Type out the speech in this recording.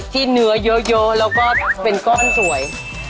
เนื้อเยอะแล้วก็เป็นก้อนสวย